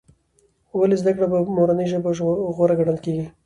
ولې زده کړه په مورنۍ ژبه غوره ګڼل کېږي؟